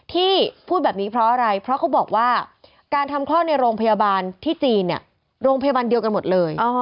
ที่พูดแบบนี้เพราะอะไรเพราะเขาบอกว่าการทำคลอดในโรงพยาบาลที่จีนเนี่ยโรงพยาบาลเดียวกันหมดเลย